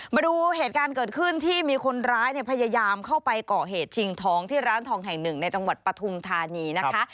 มาดูเหตุการณ์เกิดขึ้นที่มีคนร้ายเนี่ยพยายามเข้าไปก่อเหตุชิงทองที่ร้านทองแห่งหนึ่งในจังหวัดปฐุมธานีนะคะ